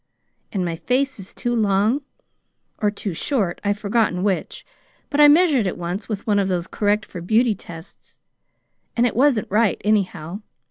And my face is too long, or too short, I've forgotten which; but I measured it once with one of those 'correct for beauty' tests, and it wasn't right, anyhow.